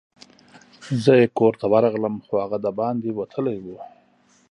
زه یې کور ته ورغلم، خو هغه دباندي وتلی وو.